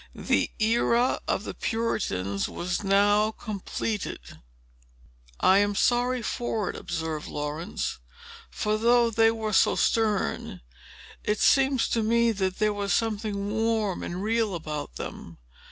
The era of the Puritans was now completed." "I am sorry for it," observed Laurence; "for, though they were so stern, yet it seems to me that there was something warm and real about them.